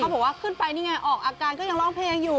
บอกว่าขึ้นไปนี่ไงออกอาการก็ยังร้องเพลงอยู่